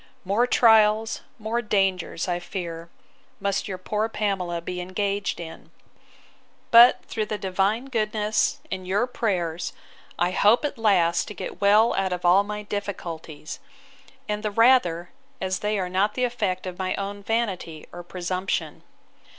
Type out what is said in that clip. —More trials, more dangers, I fear, must your poor Pamela be engaged in: But through the Divine goodness, and your prayers, I hope, at last, to get well out of all my difficulties; and the rather, as they are not the effect of my own vanity or presumption!